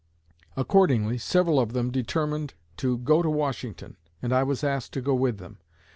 Accordingly several of them determined to go to Washington, and I was asked to go with them.